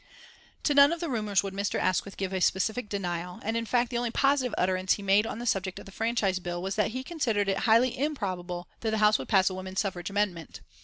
To none of the rumours would Mr. Asquith give specific denial, and in fact the only positive utterance he made on the subject of the Franchise Bill was that he considered it highly improbable that the House would pass a woman suffrage amendment.